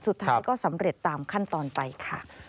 สุดท้ายก็สำเร็จตามขั้นตอนไปค่ะ